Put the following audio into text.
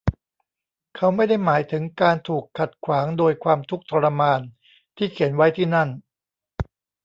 เขาไม่ได้หมายถึงการถูกขัดขวางโดยความทุกข์ทรมานที่เขียนไว้ที่นั่น